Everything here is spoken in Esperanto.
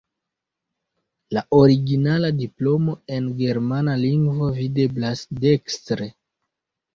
La originala diplomo, en germana lingvo, videblas dekstre.